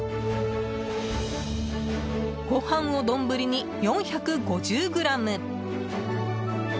ご飯を丼に４５０ｇ。